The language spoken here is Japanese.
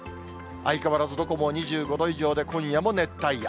相変わらず、どこも２５度以上で、今夜も熱帯夜。